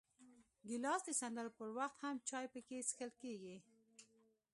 ګیلاس د سندرو پر وخت هم چای پکې څښل کېږي.